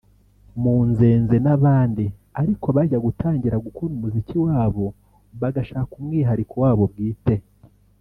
Munzeze n’abandi ariko bajya gutangira gukora umuziki wabo bagashaka umwihariko wabo bwite